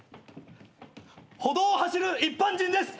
歩道を走る一般人です！